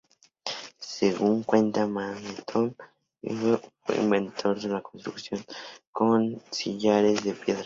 Según cuenta Manetón, Imhotep fue el inventor de la construcción con sillares de piedra.